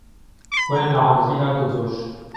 خوێن له عەرزی هاته جۆش